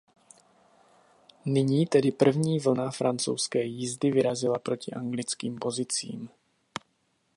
Nyní tedy první vlna francouzské jízdy vyrazila proti anglickým pozicím.